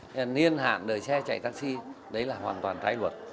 nội bài tự đặt ra cái niên hạn đời xe chạy taxi đấy là hoàn toàn trái luật